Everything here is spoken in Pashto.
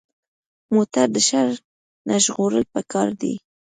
موټر د شر نه ژغورل پکار دي.